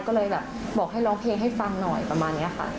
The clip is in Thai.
ก็เลยแบบบอกให้ร้องเพลงให้ฟังหน่อยประมาณนี้ค่ะ